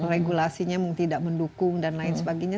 regulasinya tidak mendukung dan lain sebagainya